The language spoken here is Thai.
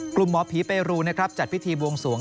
หมอผีเปรูนะครับจัดพิธีบวงสวง